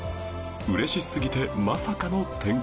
嬉しすぎてまさかの展開